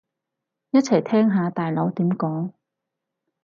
一齊聽下大佬點講